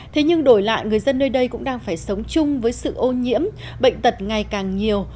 thế nhưng đổi lại người dân nơi đây cũng đang phải sống chung với sự ô nhiễm bệnh tật ngày càng nhiều